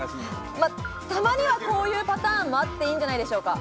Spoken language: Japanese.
たまには、こういうパターンもあっていいんじゃないでしょうか。